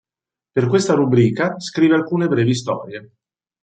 Per questa rubrica, scrive alcune brevi storie.